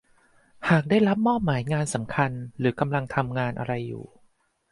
หากได้รับมอบหมายงานสำคัญ หรือกำลังทำงานอะไรอยู่